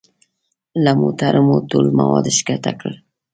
له موټرو مو ټول مواد ښکته کړل.